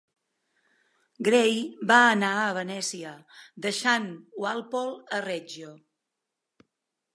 Gray va anar a Venècia, deixant Walpole a Reggio.